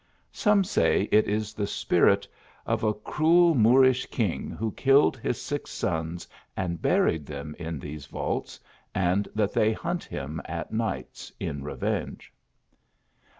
Some say it is the spirit of a cruel Moorish king, who killed his six sons, and buried them in these vaults, and that they hunt him at nights in revenge."